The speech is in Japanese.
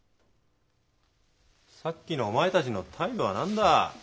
さっきのお前たちの態度は何だ！